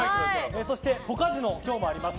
そして、ポカジノ今日もあります。